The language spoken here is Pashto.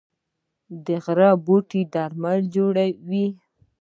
د غره بوټي درمل جوړوي